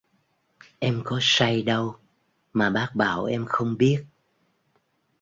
Em có say đâu mà bác bảo em không biết